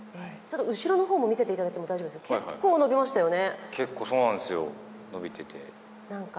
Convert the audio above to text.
後ろの方も見せていただいて大丈夫ですか、結構伸びましたね。